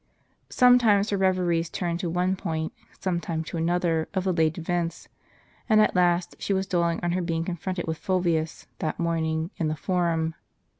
Sometimes her reveries turned to one point, sometimes to another of the late events ; and, at last, she was dwelling on her being confronted with Fulvius, that morning, in the Forum.